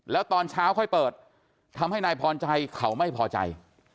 แล้วตอนเช้าค่อยเปิดทำให้นายพรชัยเขาไม่พอใจ